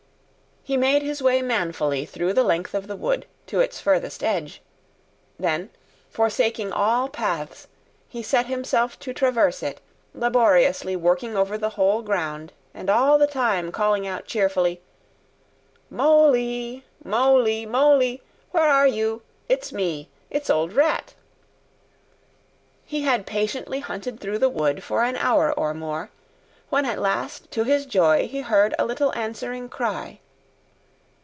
He made his way manfully through the length of the wood, to its furthest edge; then, forsaking all paths, he set himself to traverse it, laboriously working over the whole ground, and all the time calling out cheerfully, "Moly, Moly, Moly! Where are you? It's me—it's old Rat!" He had patiently hunted through the wood for an hour or more, when at last to his joy he heard a little answering cry.